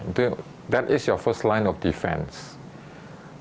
itu adalah perangkat pertama anda